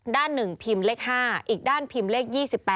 ด้านหนึ่งพิมพ์เลข๕อีกด้านพิมพ์เลข๒๘